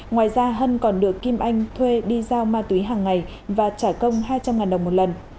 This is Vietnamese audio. ngoài ra hân còn được kim anh thuê đi giao ma túy hàng ngày và trả công hai trăm linh đồng một lần